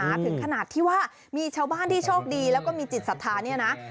ถึงขนาดที่ว่ามีชาวบ้านที่โชคดีแล้วก็มีจิตศรัทธาเนี่ยนะ